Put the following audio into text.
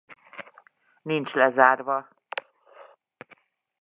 Nincs lezárva.